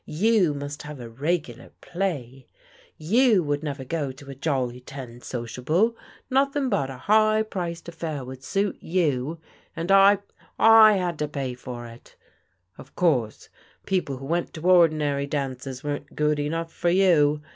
You must have a regular play. You would never go to a 'Jolly Ten' Sociable; nothing but a high priced affair would suit you, and I — I had to pay for it Of course, people who went to ordinary dances weren't good enough for you.